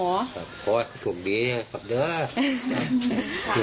อ่ะพอส่งได้พอเดี๊ยว